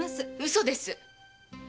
嘘です！